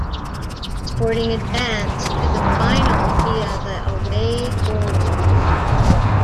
Sporting advanced to the final via the away goals rule.